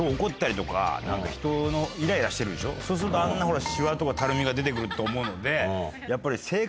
そうするとあんなシワとかたるみが出て来ると思うのでやっぱり。